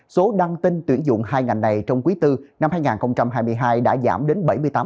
số đăng tin tuyển dụng hai ngành này trong quý bốn năm hai nghìn hai mươi hai đã giảm đến bảy mươi tám